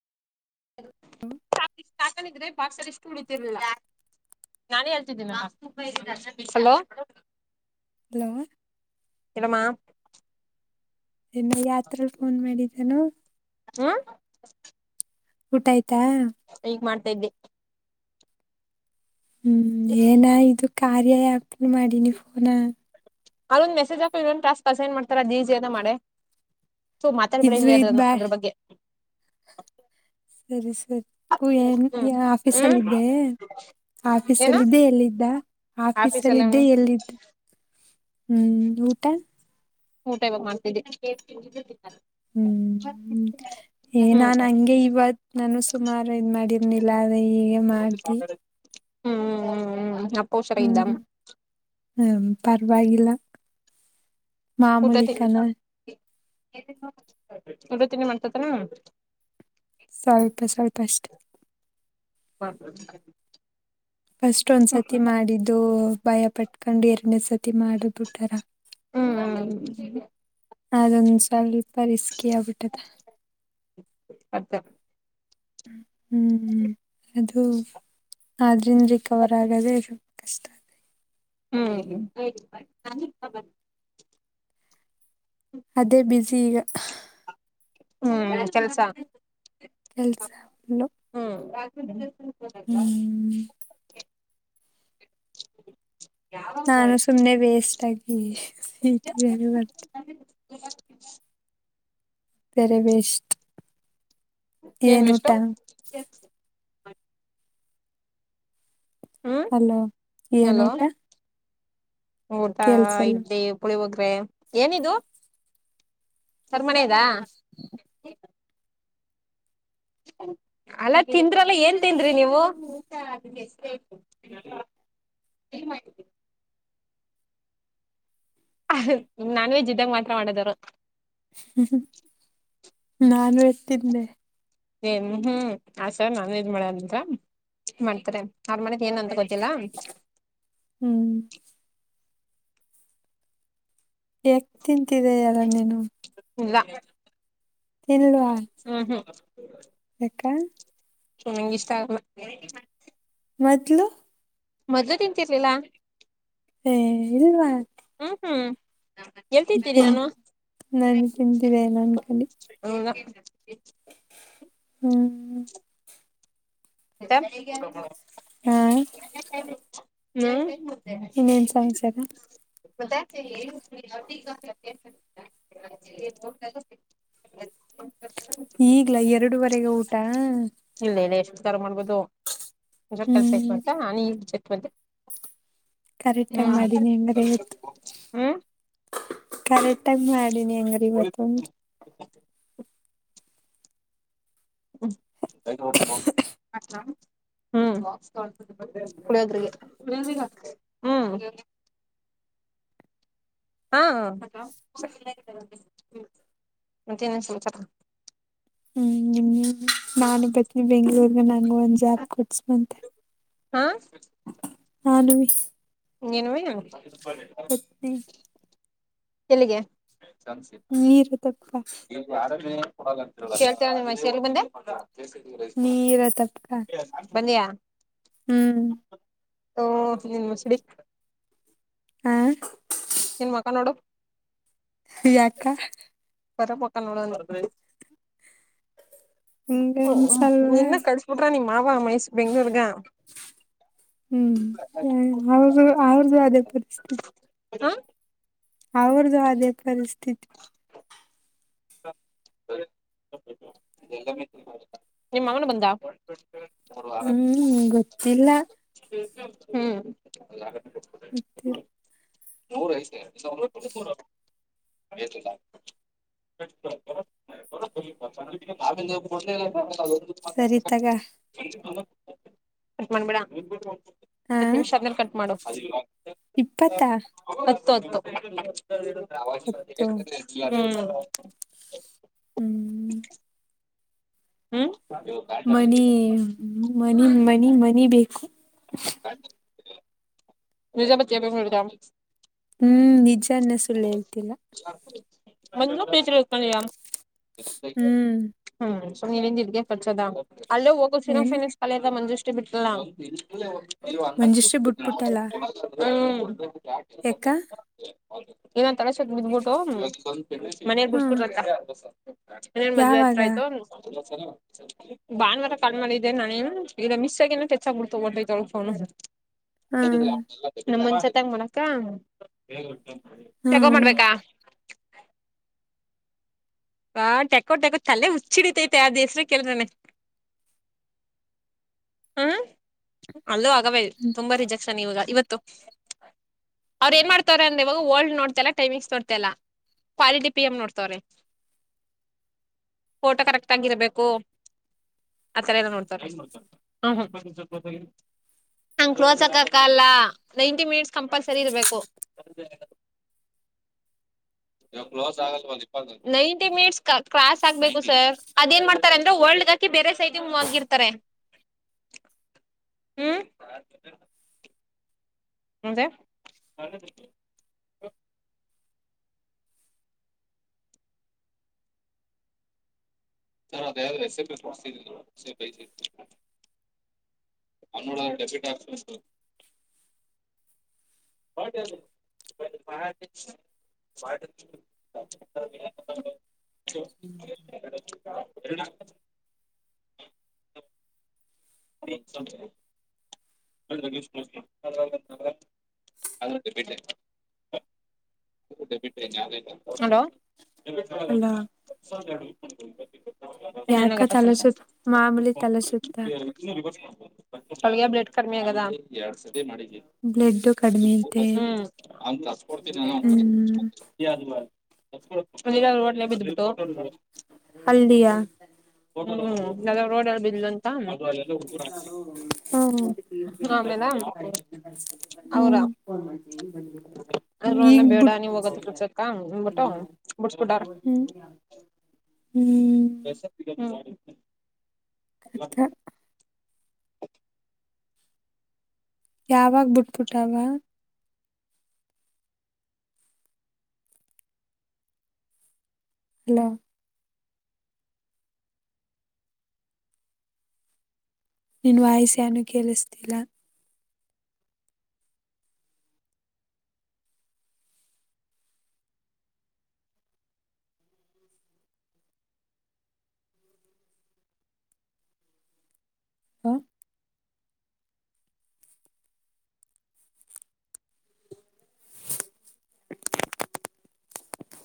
ಷ್ಟ ಹಾಕೊಂಡಿದ್ರೆ ಬಾಕ್ಸ ಇಷ್ಟು ಉಳಿತಿರ್ಲಿಲ್ಲ ನಾನೇ ಹೇಳ್ತಿದ್ದೀನಲೋ ಹಲೋ ಕೆಡಮ್ಮ [unintelligible] ಆತ್ರರ ಫೋನ್ ಮಾಡಿದ್ದಾನ ಹಾ ಊಟ ಆಯ್ತಾ ಈಗ್ ಮಾಡ್ತಾ ಇದ್ದೆ ಹ್ಮ್ ಏನ ಇದು ಕಾರ್ಯ ಆಪ್ನು ಮಾಡಿನಿ ಫೋನ ಅದೊ ಮೆಸೇ ಹಾಕ್ ಇದು ಸ್ಸೆ ಮಾಡ್ತಾರಡಡಿ ಜಿ ಅನ ಮಾಡೆ ಸೊ ಮಾತಾಡ್ಬೇಡ ಇದು ಇಲ್ಲಿ ಇದ್ ಅದ್ರನ್ನು ಬ್ಯಾ ಅದ್ರ ಬಗ್ಗೆ ಸರಿ ಸರಿ ಪೂ ಹ್ಮ್ ಹ್ಮ್ ಆಫೀಸಲ್ಲಿದ್ದೇ ಆಫೀಸ ಏನ ಅಲ್ಲ ಇದಿದ್ದೇ ಎಲ್ಲಿದ್ದ ಆಫೀಸ ಆಫೀಸ್ ಅಲ್ಲ ಎಲ್ಲ ಇದ್ದೇ ಎಲ್ಲಿದ್ದ ಹ್ಮ್ ಊಟ ಊಟ ಇವಾಗ ಮಾಡ್ತಿದ್ದ ಹ್ಮ್ ಏ ನಾನ್ ಹಂಗೆ ಇವತ್ ನಾನು ಸುಮಾರು ಇದ್ ಮಾಡಿ [unintelligible] ಲ್ಲಾದ ಹೀಗೆ ಮಾಡಿ ಹ್ಮ್ ಹುಷಾರಾಗಿದ್ದ ಹ್ಮ್ ಹ್ಮ ಪರ್ವಾಗಿಗಿಲ್ಲ ಹಊಟ ತಿ [unintelligible] ಡ [unintelligible] ತಿನಿ ಮಾಡ್ತತರ ಸ್ವಲ್ಪ ಸ್ವಲ್ಪ ಅಷ್ಟೇ ಹ್ಮ ಹ್ಮ ಫಸ್ಟ್ ಒಂದ್ ಸತಿ ಮಾಡಿದ್ದು ಭಯ ಪಟ್ಕೊಂಡು ಎರನೇ ಸತಿ ಮಾಡುದ್ ಬಿಟಾರ ಹ್ಮ್ ಅದೊಂದ ಸ್ವಲ್ಪ ರಿಸ್ಕಿ ಆಗ್ಬಿಟ್ಟದೆ ಅತ್ತ ಹ್ಮ್ ಅದು ಆದ್ರಿಂದ ರಿಕವರ್ ಆಗದೆೇ ಕಷ್ಟ ಹ್ಮ್ ಬ ಅದೇ ಬಝ ಈಗ ಹ್ಮ್ ಕೆಲ್ಸ ಕೆಲಸ ಹಾ ಹ್ಮ್ [inaudible] ನಾನು ಸುಮ್ನೆ ವೇಸ್ಟ್ ಆಗಿ ಬರ್ ಅ ಪೆರೆವಸ್ಟ್ ಏನ್ವಿಷ್ಟು ಹ್ಮ್ ಅಲ ಏನ್ ಹಲೋ ಊಟ ಊಟ ಕೇಳ್ಸಲ್ಲ ಇಡ್ಲಿ ಕುಳಿ ಹೋಗ್ರೆ ಏನಿದು ಸರ್ಮನೆದ ಅಲ್ಲ ತಿಂದ್ರಲ್ಲ ಏನ್ ತಿಂದ್ರಿ ನೀವು ಏನ್ ಮಾಡ ಮ್ ನಾನ್ ವೆಜ್ ಇದ್ದಾಗ ಮಾತ್ರ ಮಾಡೋದರು ಹ್ಮ ನಾನು ಎತಿದ್ದೆ ಏನ್ ಹ್ಮ್ ಆಸಾ ನಾನನ್ ಇದ್ ಮಾಡಂದ ಮಾಡ್ತಾರೆ ಆಾರ್ ಮಾಡಿದ ಏನ್ ಅಂತ ಗೊತ್ತಿಲ್ಲ ಹ್ಮ್ ಯಕ್ ತಿಂತಿದೆ ಅಲ್ಲ ನೀನು ಇಲ್ಲ ತಿಲ್ುವ ಹ್ಮ ಹ್ಮ ಹಕ್ಕ ಚೊ ನಿಗೆ ಇಷ್ಟ ಆ ಮತ್ಲು ಮದ್್ದದ ನಿಂತಿರ್ಲಿಲ್ಲ ಹ ಇಲ್ವಾ ಹ್ಮ್ ಹ್ಮ್ ಹೇಳ್ತಿದ್ದೀರಿ ತಿನ್ ನಾನು ನಾನು ತಿಂದಿದೆ ನನ್ ಕಲಿ ಹ್ಮ ಹ್ಮ ಎ ಹ್ಮ್ ಹ್ಮ್ ಇನ್ನೇನ್ ಸಮಾಚಾರ ಬ ಅ ಈಗ್ಲ ಎರಡುವರೆಗೆ ಊಟ ಇಲ್ಲ ಇಲ್ಲ ಎಷ್ಟು ತರ ಮಾಡ್ಬೋದು ಒ ಕೆಲ್ಸ ಆಯ್ತು ಹ್ಮ್ ಅಂತ ನಾನ ಈ ಜಟ್ ಬೆ ಕರೆಕ್ಟ್ ಆಗಿ ಮಾಡೀಿನಿ ಹೆಂಗದ ಇತ್ತು ಹ್ಮ ಕರೆಕ್ಟ್ ಟೈಮ್ ಮಾಡಿನಿ ಹಂಗ್ರ ಇವತ್ತಂದು ಕೋತಂಬ ಹ್ಮ್ ಕುಳಿಯದ್ರಿಗೆ ಹ್ಮ್ ಹಾ ದಿನ ಸಂಚ ಹ್ಮ್ ನಿನ್ನ ನಾನೇ ಪತ್ನಿ ಬೆಂಗ್ಳೂರ್ಗ ನಂಗ ಒಂದ್ ಜಾಬ್ ಕೊಟ್ಸ್ ಮಂತೆ ಹಾ ಹಾ ನಮ ನ್ವೇ ಹೆ ಎಲ್ಲಿಗೆ ಮೀರುದಪ್ಪ ಕೇಳ್ತೀರ ನಿ ಮೈಸೂ ಬಂದೆ ನೀರ ತಪ್ಪಕ ಬನ್ನಿಯಾ ಹ್ಮ್ ಹಓ ನೀನ್ ಮುಸಡಿ ಹ ನ್ ಮಕ್ಕ ನೋಡು ವಯಾಕ ವರ ಪೋಕೋ ಹಂಗ ಹ ಅನ್ಸಲ್ವಾ ನಿನ್ನ ಕಡಸ್ಬಿಟ್ರ ನಿಮ್ ಮಾವ ಮೈಸೂ ಬೆಂಗ್ಳೂರ್ಗ ಹ್ಮ್ ಅವ ಅವ್ರ್ದು ಅದೇ ಪರಿಸ್ಥಿತಿ ಹ ಅವ್ರದುು ಅದೇ ಪರಿಸ್ಥಿತಿ ನಿಮ್ಮ ಮಂಗನ ಬಂದ [inaudible] ಹ್ಮ್ ಗೊತ್ತಿಲ್ಲ ಹ್ಮ್ ಮತ್ತುತ್ತ ದೂ ಡ್ ಸರಿತಗ ಕಟ್ ಮಾಡಬೇಡ ಹತ್ತು ನಿಮಿಷ ಆದ್ಮೇಲೆ ಕಟ್ ಮಾಡು ಇಪ್ಪತ್ತ ಹತ್ತು ಹತ್ತು ಹತ್ತು ಹ್ಮ್ ಹ್ಮ್ ಮನ ಮನ ಮನಿ ಮನಿ ಬೇಕು ನಿಜೆ ಬಚೆ ಹೊಫಡದ ಹ್ಮ್ ನಿಜಾನ ಸುಳ್ಳು ಹೇಳ್ತನ ಒಂದ ಬಸ ಹ್ಮ್ ಹ್ಮ್ ಸೊ ನೀವೇಂದ ಇದಗೆ ಖರ್ಚದ ಅಲ್ಲೇ ಹೋಗೋ ಏನ ಸಿನೋಫಿನ್ ಕಳದ ಮಂಜುಷ್ಟು ಬಿಟ್ಟಲ ಮಂಜೆಷ್ರ ಬುಟ್ಪುಟಲ್ಲ ಹ್ಮ್ ಎ ಇನ್ನೊಂದು ತಡೆ ಸತ್ ಬಿದಬಿಟ್ಟು ಮನಾಗ ಹ್ಮ್ ಬಸ್ಬಿಟ್ರತ್ತ ನ್ ಮದ್ೆತ್ರ ಯಾವಾಗ ಆಯ್ತು ಭಾಾನುವಾರ ಕಣ್ಮಾಿದ್ದೆ ನಾನೇ ಇಗ ಮಿಸ್ ಆಗನ ಹೆಚ್ಚಾಗಬಿಡ್ತೋಂತ ತೊಳ್ೋ ಹ್ಮ್ ನಮ ಮುನ್ಸತಂಗ ಮಾಡಕ್ಕ ತಗೋ ಹ್ಮ್ ಮಾಡ್ಬೇಕಾ ಬಾ ತಕೋ ತಕೋ ತೆ ಹುಚ್ಚಿಡಿತೈತೆ ಆ ದೇಸ್ರ ಕೆೇಳದ್ರನನೆ ಹಾ ಅಲ್ಲೂ ಆಗಬೇಕೇ ತುಂಬಾ ರಿಜೆಕ್ಷನ್ ಇವಾಗ ಇವತ್ತು ಅವ್ರ ಏನ್ ಮಾಡ್ತಾರ ಅಂದ್ರ ಇವಾಗಓಲ್ಡ್ ನೋತಾಲ್ಲ ೈಮಿಂಗ್ಸ್ ನಡ್ತಲ್ಲ ಪಾಲಿ ಡಿ ಪಿ ಎಮ್ ನೋಡ್ತವ್ರೆ ಫೋಟೋ ಕರೆಕ್ಟ್ ಆಗಿ ಇರ್ಬೇಕು ಆತರ ಎಲ್ಲ ನೋಡ್ತಾರೆ ಹ ಹ ಬ ಬ ನ್ ಕ್ಲೋಸ್ ಆಕಕಲ್ಲ ನೈಂಟಿ ಮಿನಿಟ್ಸ್ ಕಂಪಲ್ಸರಿ ಇರ್ಬೇಕು ಇವ ಕ್ಲೋಸ್ ಆಗಲ್ ಇಪ್ಪ ನೈಂಟಿ ಮಿನಿಟ್ಸ್ ಕ್ರಾಸ್ ಆಗ್ಬೇಕು ಸರ್ ಅದ ಏನ್ ಮಾಡ್ತಾರೆ ಅಂದ್ರೆ ವರ್ಲ್ಡ್ಗ ಹಾಕಿ ಬೇರೆ ಸೈಟ ಆಗಿರ್ತಾರೆ [inaudible] ಹ್ಮ್ ಹದ ಚ ದ ಅವೋಡ ಡೆಫಿಟ್ ಆತ ಹ ಬ [inaudible] ಎ [inaudible] [inaudible] [unintelligible] ಬಿಟ್ಟ ಬಿಟ್ಟೇನೆ ಹಲೋ [inaudible] ಅಲ್ಲ ಯಾಕ ಇನ್ನೇನಾಗತ್ತ ಸಂಸ ತಲಸುತ್ತ ಮಾಮೂಲಿ ತಲಸುತ್ತ ಬ್ಲಡ್ ಕರ್ಮಿ ಆಗದ ಸರಿ ಬ್ಲಡ್ ಕಡಿಮೆ ಅಂತೆ ಅಂತ ಸ್ಫರ್ನ ಉಂಟ ಹ್ಮ್ ಟ್ಟ [inaudible] ಅಲದಿಯಾ ಹ್ಮ ರೋಡ ಬಲ್ಂತ ಹ ಹ್ಮ್ ಆಮೇಲೆ ಅವ್ರ ಅದ್ರನ್ನ ಈಗ್ ಬೇಡ ಬಿಟ್ಟ ನೀವ್ ಹೋಗದ ಕೆಲ್ಸಕ್ಕ ಅಂದ್ಬಿಟ್ಟು ಹ್ಮ್ ಬಿಡ್ಸ್ಬಿಟಾರ. ಹ್ಮ್ [inaudible] ಥ- [unintelligible] ಯಾವಾಗ ಬಿಟ್ಬಿಟ್ಟಾವ ಹಲೋ ನಿನ್ ನಿನ್ನ ವಾಯ್ಸ್ ಏನು ಕೇಳಿಸ್ತಿಲ್ಲ ಹಾ